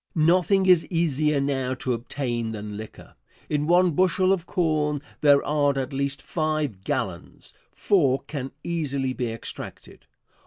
Nothing is easier now to obtain than liquor. In one bushel of corn there are at least five gallons four can easily be extracted.